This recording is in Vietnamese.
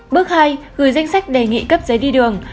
bước hai gửi danh sách đề nghị cấp giấy đi đường